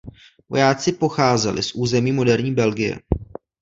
Vojáci pocházeli z území moderní Belgie.